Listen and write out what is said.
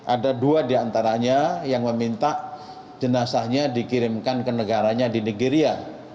ada dua diantaranya yang meminta jenazahnya dikirimkan ke negaranya di nigeria